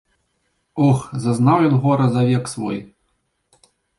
Ох, зазнаў ён гора за век свой.